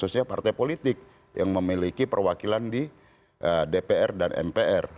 khususnya partai politik yang memiliki perwakilan di dpr dan mpr